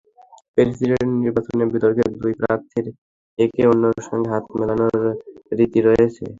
President নির্বাচনের বিতর্কে দুই প্রার্থীর একে অন্যের সঙ্গে হাত মেলানোর রীতি রয়েছে।